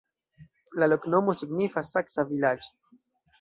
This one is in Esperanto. La loknomo signifas: saksa-vilaĝ'.